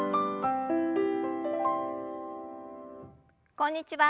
こんにちは。